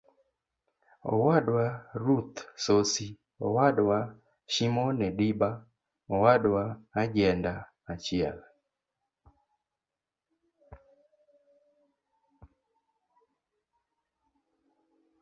Owadwa Ruth Sosi Owadwa Shimone Diba Owadwa Ajenda-achiel.